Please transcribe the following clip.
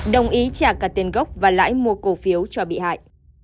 đồng ý trả cả tiền gốc và lãi mua cổ phiếu cho bị hại